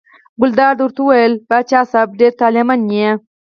ګلداد ورته وویل: پاچا صاحب ډېر طالع من یې.